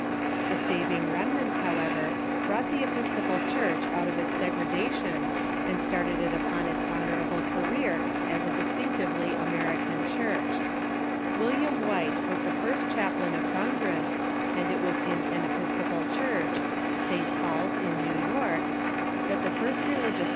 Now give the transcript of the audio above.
A saving remnant, however, brought the Episcopal Church out of its degradation, and started it upon its honorable career as a distinctively American Church. William White was the 510 THE CHURCH IN THE UNITED STATES first chaplain of Congress, and it was in an Episcopal church (St. Paul's, in New York) that the first religious ^^fl!